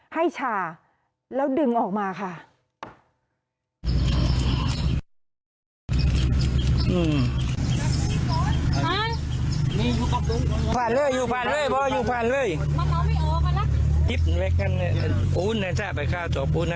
ให้ชาแล้วดึงออกมาค่ะ